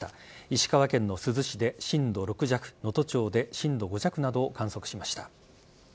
石川県の珠洲市で震度６弱能登町で震度５弱などを観測しました。